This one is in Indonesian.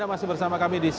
munaslup baru saya bisa jawab